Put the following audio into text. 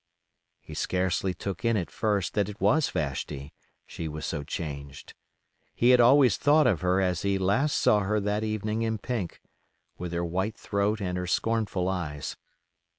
He scarcely took in at first that it was Vashti, she was so changed. He had always thought of her as he last saw her that evening in pink, with her white throat and her scornful eyes.